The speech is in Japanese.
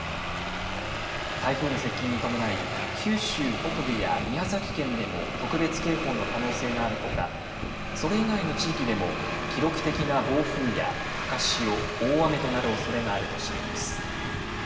台風の接近に伴い九州北部や宮崎県でも特別警報の可能性があるほかそれ以外の地域でも記録的な暴風や高潮大雨となるおそれがあるとしています。